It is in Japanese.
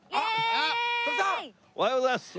おはようございます。